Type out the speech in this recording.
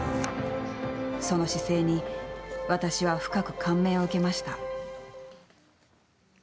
その姿勢に私は深く感銘を受けました。